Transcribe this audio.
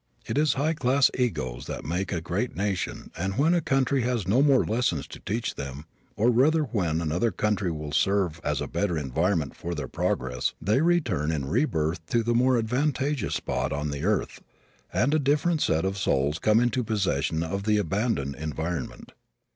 It is high class egos that make a great nation and when a country has no more lessons to teach them, or rather when another country will serve as a better environment for their further progress, they return in rebirth to the more advantageous spot on the earth, and a different set of souls come into possession of the abandoned environment.